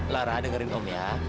lara dengerin om ya